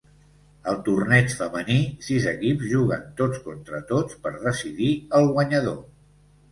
Al torneig femení, sis equips juguen tots contra tots per decidir el guanyador.